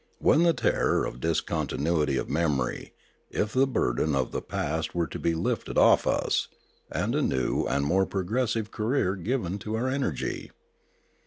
Whence the terror of discontinuity of memory, if the burden of the past were to be lifted off us, and a new and more progressive career given to our energy